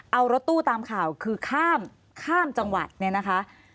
เอารถตู้ตามข่าวคือข้ามจังหวัดนะคะ